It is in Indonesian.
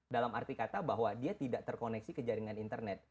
dalam arti kata bahwa dia tidak terkoneksi ke jaringan internet